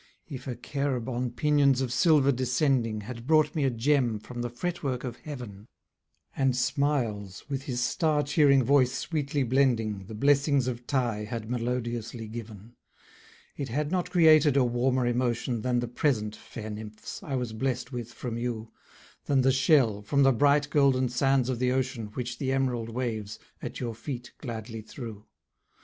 If a cherub, on pinions of silver descending, Had brought me a gem from the fret work of heaven; And smiles, with his star cheering voice sweetly blending, The blessings of Tighe had melodiously given; It had not created a warmer emotion Than the present, fair nymphs, I was blest with from you, Than the shell, from the bright golden sands of the ocean Which the emerald waves at your feet gladly threw.